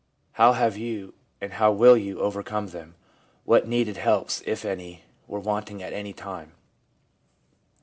How have you, and how will you, overcome them ? What needed helps, if any, were wanting at any time